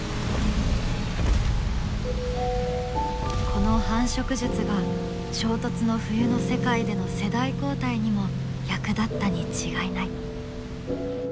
この繁殖術が衝突の冬の世界での世代交代にも役立ったに違いない。